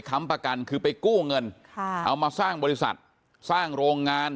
ค้ำประกันคือไปกู้เงินค่ะเอามาสร้างบริษัทสร้างโรงงาน